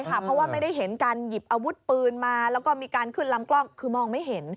เพราะว่าไม่ได้เห็นการหยิบอาวุธปืนมาแล้วก็มีการขึ้นลำกล้องคือมองไม่เห็น